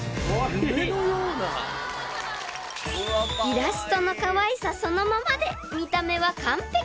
［イラストのかわいさそのままで見た目は完璧！］